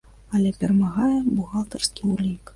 Але перамагае бухгалтарскі ўлік.